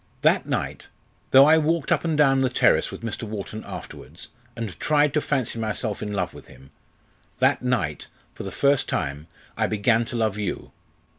"That night, though I walked up and down the terrace with Mr. Wharton afterwards, and tried to fancy myself in love with him that night, for the first time, I began to love you!